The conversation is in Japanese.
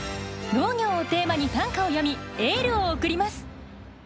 「農業」をテーマに短歌を詠みエールを送ります。